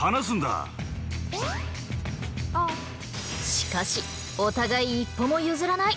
しかしお互い一歩も譲らない。